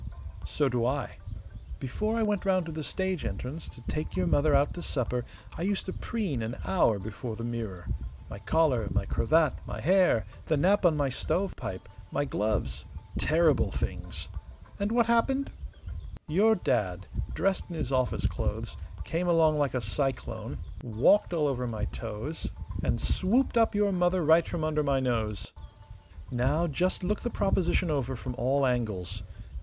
"So do I. Before I went round to the stage entrance to take your mother out to supper I used to preen an hour before the mirror. My collar, my cravat, my hair, the nap on my stovepipe, my gloves terrible things! And what happened? Your dad, dressed in his office clothes, came along like a cyclone, walked all over my toes, and swooped up your mother right from under my nose. Now just look the proposition over from all angles.